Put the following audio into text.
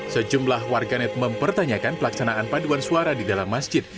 sejumlah warganet mempertanyakan pelaksanaan paduan suara di dalam masjid